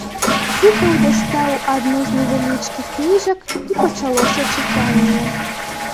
Зыкаў дастаў адну з невялічкіх кніжак, і пачалося чытанне.